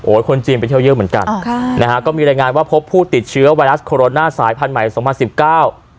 คนจีนไปเที่ยวเยอะเหมือนกันอ๋อค่ะนะฮะก็มีรายงานว่าพบผู้ติดเชื้อไวรัสโคโรนาสายพันธุ์ใหม่สองพันสิบเก้า